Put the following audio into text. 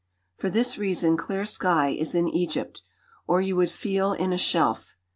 For this reason clear sky is in Egypt, or you would feel in a shelf.